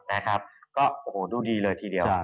นะครับก็โอ้โหดูดีเลยทีเดียว